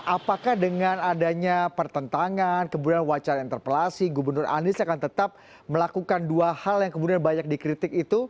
apakah dengan adanya pertentangan kemudian wacana interpelasi gubernur anies akan tetap melakukan dua hal yang kemudian banyak dikritik itu